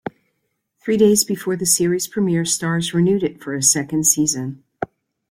Three days before the series' premiere, Starz renewed it for a second season.